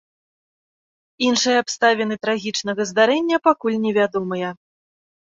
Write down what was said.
Іншыя абставіны трагічнага здарэння пакуль невядомыя.